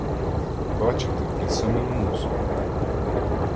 Бачите — під самим носом.